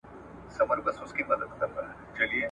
د پښتو، پاړسي او اردو ژبو ادبي تاريخ